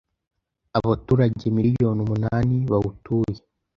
abaturage miliyoni umunani bawutuye